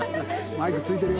マイクついてるよ